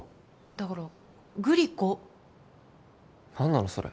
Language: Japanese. だからグリコ何なのそれ？